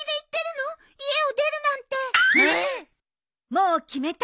もう決めた。